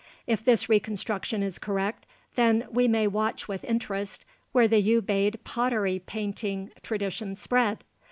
If this reconstruction is correct then we may watch with interest where the Ubaid pottery painting tradition spread.